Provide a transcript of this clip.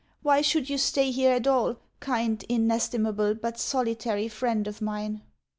Why should you stay here at all, kind, inestimable, but solitary, friend of mine?